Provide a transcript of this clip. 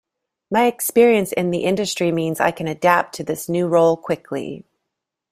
My experience in the industry means I can adapt to this new role quickly.